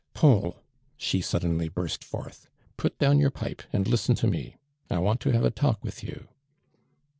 * "Paul," she suddenly burst forth, ' put down your pipe and listen to me. J want to have a tulkwith you.''